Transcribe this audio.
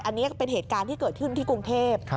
อันนี้ก็เป็นเหตุการณ์ที่เกิดขึ้นที่กรุงเทพ